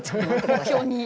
目標に。